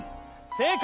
正解！